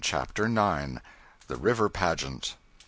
CHAPTER IX. The river pageant.